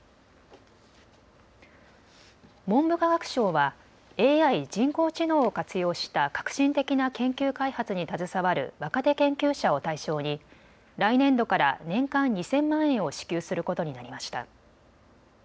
文部科学省はＡＩ・人工知能を活用した革新的な研究開発に携わる若手研究者を対象に来年度から年間２０００万円を支給することになりました。